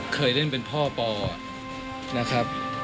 เคยเล่นเป็นพ่อปอนะครับ